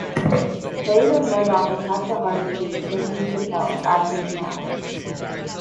Cade and Murdoch attacked the Hardys with the championship belts after the match.